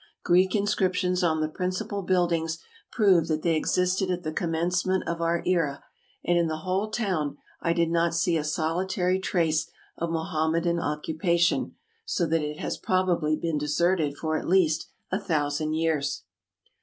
Greek inscriptions on the principal buildings prove that they ex isted at the commencement of our era ; and in the whole town I did not see a solitary trace of Mohammedan occupa tion, so that it has probably been deserted for at least a thousand years.